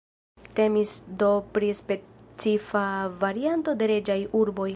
Temis do pri specifa varianto de reĝaj urboj.